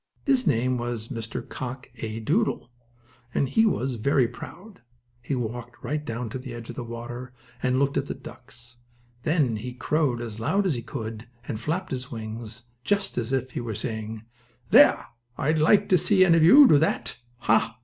His name was Mr. Cock A. Doodle, and he was very proud. He walked right down to the edge of the water, and looked at the ducks. Then he crowed as loud as he could, and flapped his wings, just as if he were saying: "There! I'd like to see any of you do that! Ha!